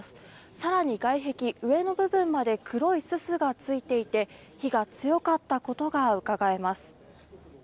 更に、外壁、上の部分まで黒いすすがついていて火が強かったことがうかがえます。